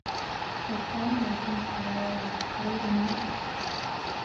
The Tri-Nations Final was played in Leeds.